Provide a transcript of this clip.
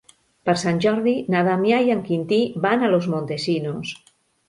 Per Sant Jordi na Damià i en Quintí van a Los Montesinos.